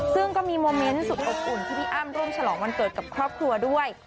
ซึ่งก็มีโมเมนต์สุดอบอุ่นที่พี่อ้ำร่วมฉลองวันเกิดกับครอบครัวด้วย